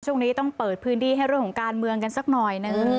ช่วงนี้ต้องเปิดพื้นที่ให้เรื่องของการเมืองกันสักหน่อยหนึ่ง